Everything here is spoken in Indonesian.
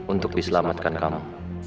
untuk diselamatkan kamu